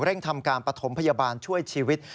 ทำการปฐมพยาบาลช่วยชีวิต